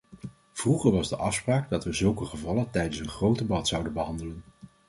Vroeger was de afspraak dat we zulke gevallen tijdens een groot debat zouden behandelen.